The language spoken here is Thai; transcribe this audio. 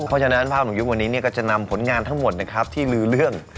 เพราะฉะนั้นภาพของยุควันนี้ก็จะนำผลงานทั้งหมดนะครับที่ลือเรื่อง